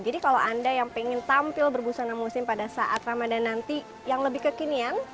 jadi kalau anda yang ingin tampil berbusana musim pada saat ramadhan nanti yang lebih kekinian